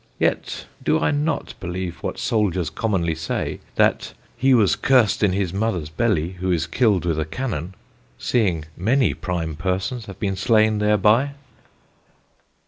Yet do I not believe what Souldiers commonly say, 'that he was curs'd in his Mother's belly, who is kill'd with a Cannon,' seeing many prime persons have been slain thereby."